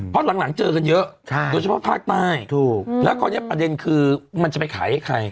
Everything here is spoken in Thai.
เพราะหลังเจอกันเยอะโดยเฉพาะภาคใต้ถูกแล้วคราวนี้ประเด็นคือมันจะไปขายให้ใคร